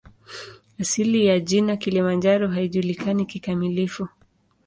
Asili ya jina "Kilimanjaro" haijulikani kikamilifu.